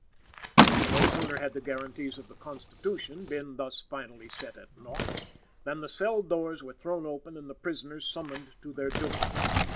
No sooner had the guarantees of the Constitution been, thus, finally set at naught, than the cell doors were thrown open and the prisoners summoned to their doom.